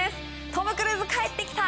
トム・クルーズ、帰って来た。